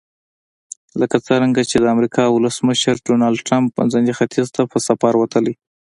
لکه څرنګه چې د امریکا ولسمشر ډونلډ ټرمپ منځني ختیځ ته په سفر وتلی.